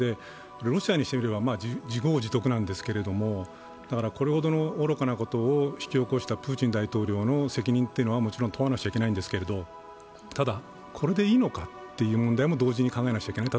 ロシアにしてみれば、自業自得なんですけれどもこれほどのおろかなことを引き起こしたプーチン大統領の責任というのはもちろん問わなくちゃいけないんですけど、ただ、これでいいのかというのも同時に考えなくちゃいけない。